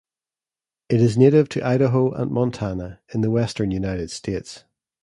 It is native to Idaho and Montana in the western United States.